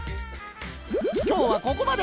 きょうはここまで！